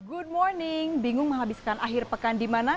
good morning bingung menghabiskan akhir pekan di mana